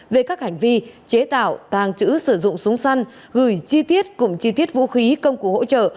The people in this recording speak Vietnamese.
về các hành vi chế tạo tàng trữ sử dụng súng săn gửi chi tiết cùng chi tiết vũ khí công cụ hỗ trợ